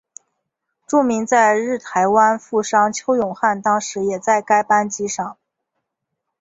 著名在日台湾富商邱永汉当时也在该班机上。